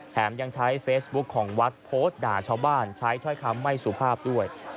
ยังใช้เฟซบุ๊คของวัดโพสต์ด่าชาวบ้านใช้ถ้อยคำไม่สุภาพด้วย